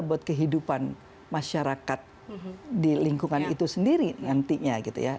buat kehidupan masyarakat di lingkungan itu sendiri nantinya gitu ya